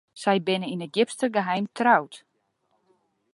Sy binne yn it djipste geheim troud.